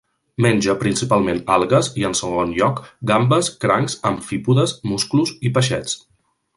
Menja principalment algues i, en segon lloc, gambes, crancs, amfípodes, musclos i peixets.